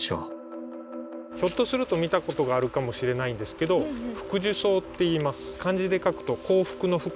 ひょっとすると見たことがあるかもしれないんですけどフクジュソウっていいます。